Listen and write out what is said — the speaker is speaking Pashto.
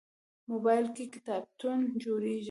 موبایل کې کتابتون جوړېږي.